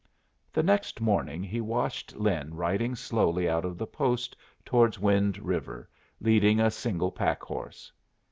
The next morning he watched Lin riding slowly out of the post towards Wind River, leading a single pack horse.